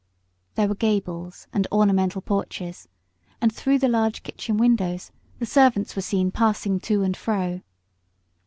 There were gables and ornamental porches, and through the large kitchen windows the servants were seen passing to and fro.